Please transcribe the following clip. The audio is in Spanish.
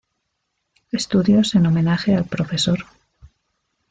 Estudios en Homenaje al Prof.